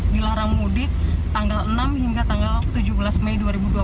dilarang mudik tanggal enam hingga tanggal tujuh belas mei dua ribu dua puluh